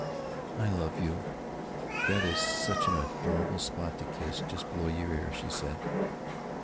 "I love you!... That is such an adorable spot to kiss, just below your ear," she said.